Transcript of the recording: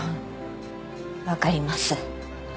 わかります。